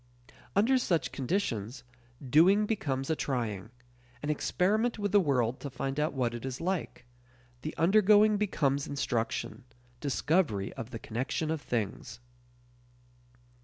Under such conditions, doing becomes a trying; an experiment with the world to find out what it is like; the undergoing becomes instruction discovery of the connection of things.